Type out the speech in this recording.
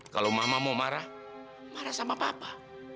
kalau mama mau marah marah sama papa